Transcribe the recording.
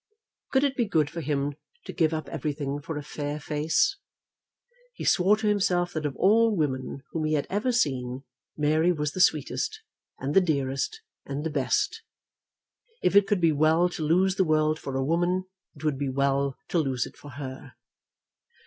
Could it be good for him to give up everything for a fair face? He swore to himself that of all women whom he had ever seen Mary was the sweetest and the dearest and the best. If it could be well to lose the world for a woman, it would be well to lose it for her.